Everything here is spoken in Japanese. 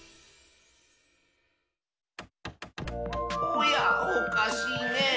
おやおかしいねえ。